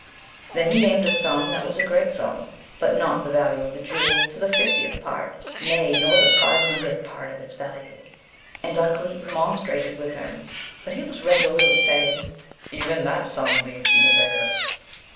Then he named a sum that was a great sum, but not the value of the Jewel to the fiftieth part, nay nor the five hundredth part, of its value; and Ukleet remonstrated with him, but he was resolute, saying, 'Even that sum leaves me a beggar.'